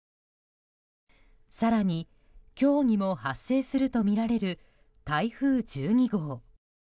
更に今日にも発生するとみられる台風１２号。